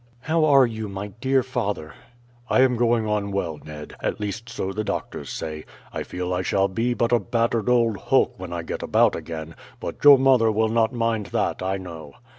"How are you, my dear father?" "I am going on well, Ned; at least so the doctors say. I feel I shall be but a battered old hulk when I get about again; but your mother will not mind that, I know."